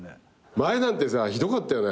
前なんてさひどかったよね。